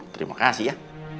terima kasih ya